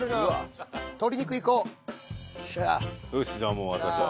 もう私は。